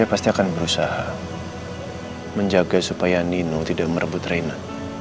saya pasti akan berusaha menjaga supaya nino tidak merebut reina